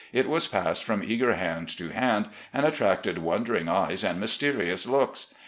It was passed from eager hand to hand and attracted wondering eyes and mysterious looks.